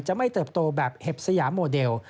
ไม่เติบโตแบบเห็บสยามโมเดล